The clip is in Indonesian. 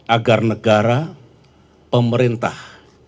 agar negara pemerintah